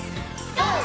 ＧＯ！